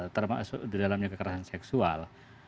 termasuk di dalamnya kekerasan seksual